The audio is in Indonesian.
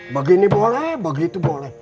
begini boleh begitu boleh